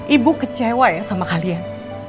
ibu kecewa ya sama kalian